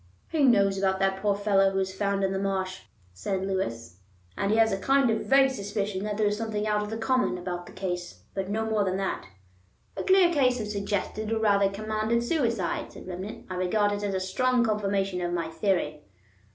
"He knows about that poor fellow who was found in the marsh," said Lewis, "and he has a kind of vague suspicion that there is something out of the common about the case; but no more than that." "A clear case of suggested, or rather commanded suicide," said Remnant. "I regard it as a strong confirmation of my theory."